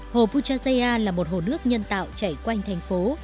hồ puchaya là một hồ nước nhân tạo chảy quanh thành phố